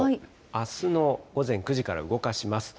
あすの午前９時から動かします。